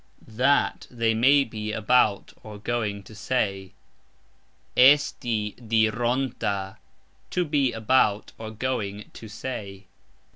(That) they may be about (going) to say. Esti dironta ................ To be about (going) to say.